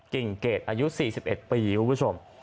กิ่งเกรดอายุ๔๑ปีคุณผู้ชม